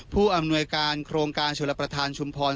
ผู้อำนวยการโครงการชลประธานชุมพร